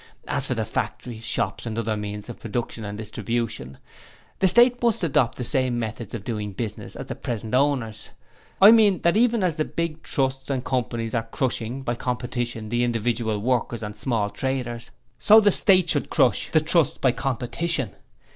As for the factories, shops, and other means of production and distribution, the State must adopt the same methods of doing business as the present owners. I mean that even as the big Trusts and companies are crushing by competition the individual workers and small traders, so the State should crush the trusts by competition.